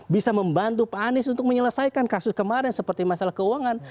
bisa membantu pak anies untuk menyelesaikan kasus kemarin seperti masalah keuangan